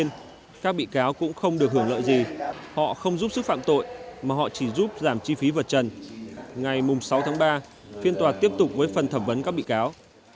trong phần thẩm vấn các bị cáo cũng không được hưởng lợi gì họ không giúp sức phạm tội mà họ chỉ giúp giảm chi phí vật trần ngày sáu tháng ba phiên tòa tiếp tục với phần thẩm vấn các bị cáo